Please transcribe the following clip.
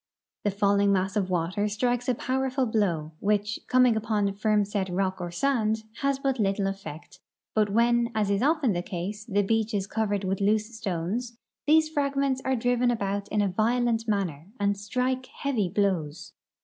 The falling mass of water strikes a powerful blow, which, coming upon firm set rock or sand, has but little effect; but Avhen, as is often the case, the beach is covered Avith loose stones, these fragments are driven about in a violent manner and strike heaA'y bloAvs.